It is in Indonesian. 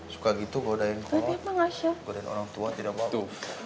suka gitu kode yang kau orang tua tidak waktu